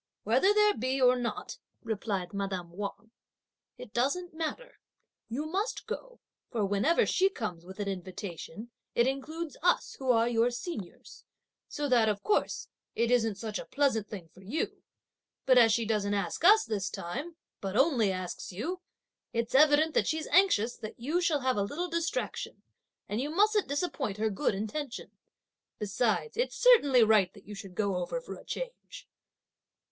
"Whether there be or not," replied madame Wang, "it doesn't matter; you must go, for whenever she comes with an invitation, it includes us, who are your seniors, so that, of course, it isn't such a pleasant thing for you; but as she doesn't ask us this time, but only asks you, it's evident that she's anxious that you should have a little distraction, and you mustn't disappoint her good intention. Besides it's certainly right that you should go over for a change."